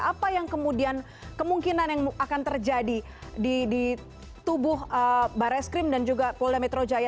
apa yang kemudian kemungkinan yang akan terjadi di tubuh bares krim dan juga polda metro jaya